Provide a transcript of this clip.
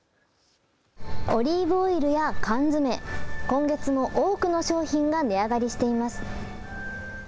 オリーブオイルや缶詰、今月も多くの商品が値上がりしています。